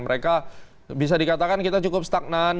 mereka bisa dikatakan kita cukup stagnan